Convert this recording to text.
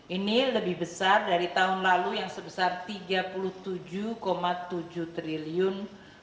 ini lebih besar dari tahun lalu yang sebesar rp tiga puluh tujuh tujuh triliun